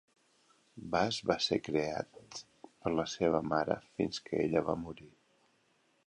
Bass va ser criat per la seva mare fins que ella va morir.